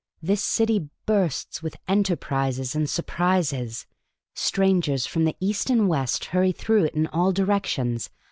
This city bursts with enterprises ana surprises. Strangers from east and west hurry through it in all directions.